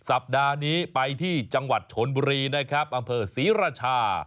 สัปดาห์นี้ไปที่จังหวัดชนบุรีนะครับอำเภอศรีราชา